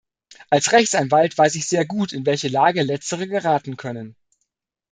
Als Rechtsanwalt weiß ich sehr gut, in welche Lage Letztere geraten können.